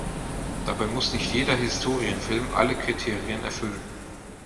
Dabei muss nicht jeder Historienfilm alle Kriterien erfüllen.